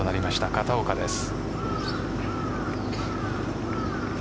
片岡です。